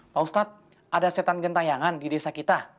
pak ustaz ada syaitan gentayangan di desa kita